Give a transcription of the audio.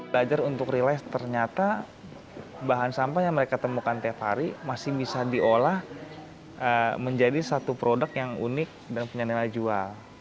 belajar untuk rilis ternyata bahan sampah yang mereka temukan tiap hari masih bisa diolah menjadi satu produk yang unik dan punya nilai jual